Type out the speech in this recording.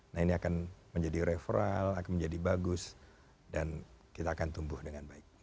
nah ini akan menjadi referal akan menjadi bagus dan kita akan tumbuh dengan baik